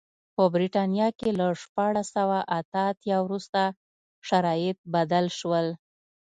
په برېټانیا کې له شپاړس سوه اته اتیا وروسته شرایط بدل شول.